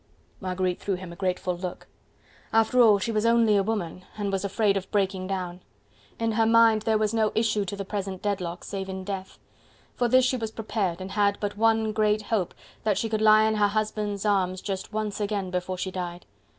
Marguerite threw him a grateful look. After all she was only a woman and was afraid of breaking down. In her mind there was no issue to the present deadlock save in death. For this she was prepared and had but one great hope that she could lie in her husband's arms just once again before she died.